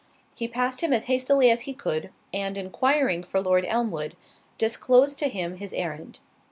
He passed him as hastily as he could, and enquiring for Lord Elmwood, disclosed to him his errand.